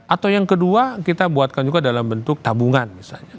atau yang kedua kita buatkan juga dalam bentuk tabungan misalnya